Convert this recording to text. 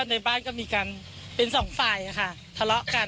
ในบ้านก็มีกันเป็นสองฝ่ายค่ะทะเลาะกัน